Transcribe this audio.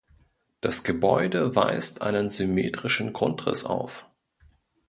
Das Gebäude weist einen symmetrischen Grundriss auf.